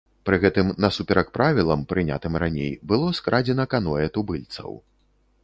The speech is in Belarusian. Пры гэтым насуперак правілам, прынятым раней, было скрадзена каноэ тубыльцаў.